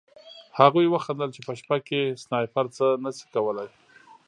هغوی وخندل چې په شپه کې سنایپر څه نه شي کولی